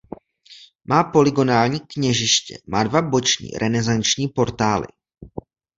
Má polygonální kněžiště má dva boční renesanční portály.